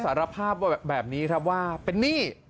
สารภาพแบบนี้ครับว่าเป็นหนี้